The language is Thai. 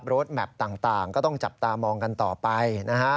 แมพต่างก็ต้องจับตามองกันต่อไปนะฮะ